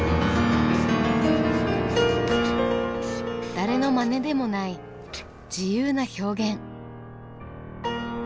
誰の真似でもない自由な表現。